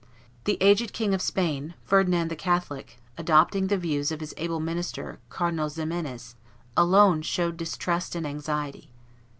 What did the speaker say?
The aged King of Spain, Ferdinand the Catholic, adopting the views of his able minister, Cardinal Ximenes, alone showed distrust and anxiety.